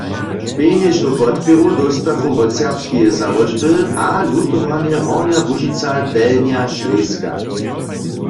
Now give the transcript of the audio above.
Pjenježnu podpěru dóstachu wot serbskeje załožby a Lutowarnje Hornja Łužica-Delnja Šleska.